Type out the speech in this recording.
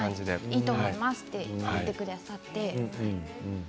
いいと思いますと言ってくれました。